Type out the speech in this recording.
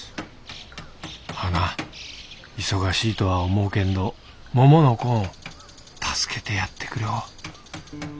はな忙しいとは思うけんどもものこん助けてやってくりょう」。